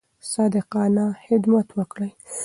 صادقانه خدمت وکړئ.